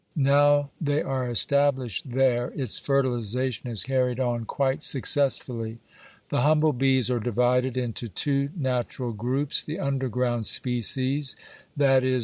Now they are established there its fertilization is carried on quite successfully. The humble bees are divided into two natural groups, the underground species, i.e.